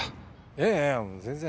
いやいやもう全然。